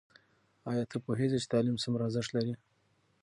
ایا ته پوهېږې چې تعلیم څومره ارزښت لري؟